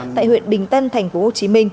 tại huyện bình tân tp hcm